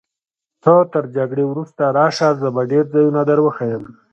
ته تر جګړې وروسته راشه، زه به ډېر ځایونه در وښیم.